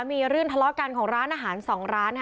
มีเรื่องทะเลาะกันของร้านอาหาร๒ร้าน